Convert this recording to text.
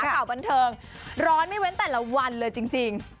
ข่าวบันเทิงร้อนไม่เว้นแต่ละวันเลยจริง